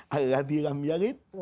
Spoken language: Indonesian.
al lahbi lam yalit